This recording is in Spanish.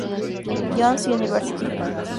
John's University.